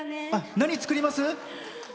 何、作ります？